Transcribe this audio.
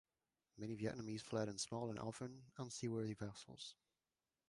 Many Vietnamese fled in small and often unseaworthy vessels.